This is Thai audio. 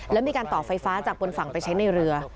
แล้วมีการต่อไฟฟ้าจากบนฝั่งไปใช้ในเรือ